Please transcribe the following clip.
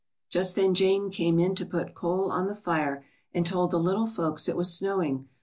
Just then Jane came in to put coal on the fire, and told the little folks it was snowing.